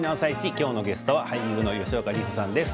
きょうのゲストは俳優の吉岡里帆さんです。